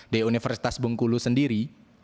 di universitas bengkulu sendiri